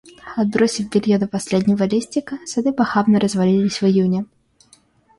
Отбросив белье до последнего листика, сады похабно развалились в июне.